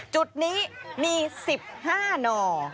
จุดนี้มี๑๕หน่อ